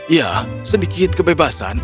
ya sedikit kebebasan